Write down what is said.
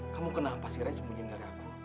kamu kenapa sih re sembunyiin dari aku